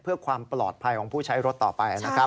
เพื่อความปลอดภัยของผู้ใช้รถต่อไปนะครับ